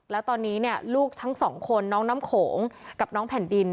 แล้วตอนนี้เนี่ยลูกทั้งสองคนน้องน้ำโขงกับน้องแผ่นดิน